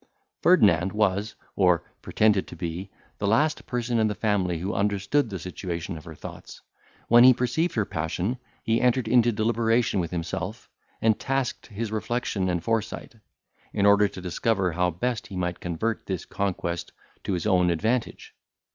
Ferdinand was, or pretended to be, the last person in the family who understood the situation of her thoughts; when he perceived her passion, he entered into deliberation with himself, and tasked his reflection and foresight, in order to discover how best he might convert this conquest to his own advantage.